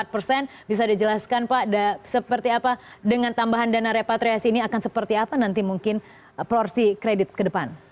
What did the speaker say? empat persen bisa dijelaskan pak seperti apa dengan tambahan dana repatriasi ini akan seperti apa nanti mungkin porsi kredit ke depan